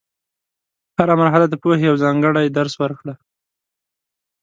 هره مرحله د پوهې یو ځانګړی درس ورکړه.